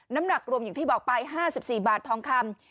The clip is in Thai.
น้ำหนักรวมอย่างที่บอกไป๕๔บาททองคำ